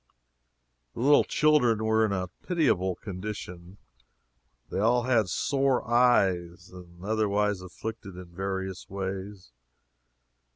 The little children were in a pitiable condition they all had sore eyes, and were otherwise afflicted in various ways.